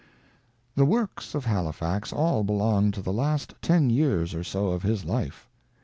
The works of Halifax all belong to the last ten years or so of his life.